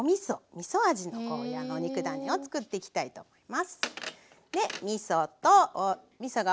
みそ味のゴーヤーのお肉ダネを作っていきたいと思います。